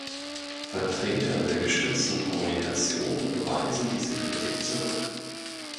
Vertreter der „Gestützten Kommunikation“ weisen diese Kritik zurück.